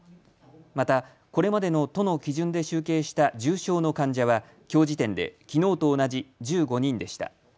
またこれまでの都の基準で集計した重症の患者はきょう時点できのうと同じ１５人でした。